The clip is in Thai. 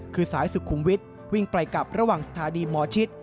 คือสายสุขุมวิทย์วิ่งไปกลับระหว่างสถานีหมอชิด